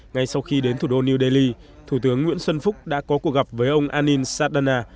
ngay sau khi đến thủ đô new delhi thủ tướng nguyễn xuân phúc đã có cuộc gặp với ông anil sadana